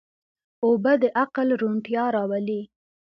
اوبه د عقل روڼتیا راولي.